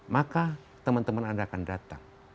maka teman teman anda akan datang